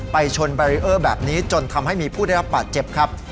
ไปชนแบรีเออร์แบบนี้จนทำให้มีผู้ได้รับบาดเจ็บครับ